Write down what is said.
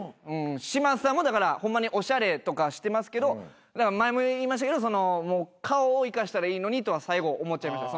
嶋佐もだからホンマにおしゃれとかしてますけど前も言いましたけど顔を生かしたらいいのにとは最後思っちゃいました。